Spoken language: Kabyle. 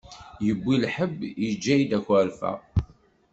Yewwi lḥebb, yeǧǧa-yi-d akerfa.